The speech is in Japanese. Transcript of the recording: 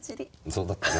そうだったね。